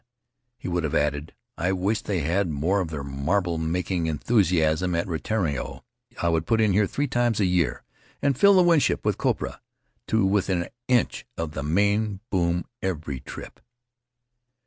he would have added, 'X wish they had more of their marble making enthusiasm at Rutiaro. I would put in here three times a year and fill the Winship with copra to within an inch of the main boom every trip."